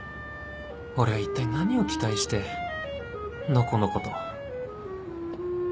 俺は一体何を期待してのこのこと